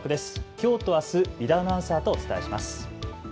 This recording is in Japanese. きょうとあす井田アナウンサーとお伝えします。